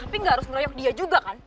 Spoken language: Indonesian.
tapi nggak harus ngeroyok dia juga kan